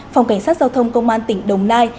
phòng cảnh sát giao thông công an tỉnh đồng nai